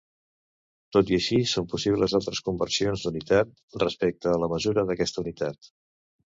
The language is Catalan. Tot i així, són possibles altres conversions d'unitat respecte a la mesura d'aquesta unitat.